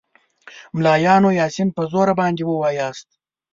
ملایانو یاسین په زوره باندې ووایاست.